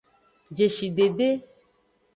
Jeshidede.